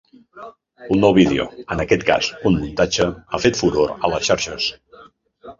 Un nou vídeo, en aquest cas un muntatge, ha fet furor a les xarxes.